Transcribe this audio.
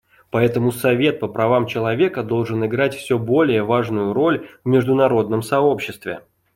Поэтому Совет по правам человека должен играть все более важную роль в международном сообществе.